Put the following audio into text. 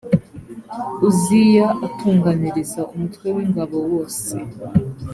uziya atunganiriza umutwe w ingabo wose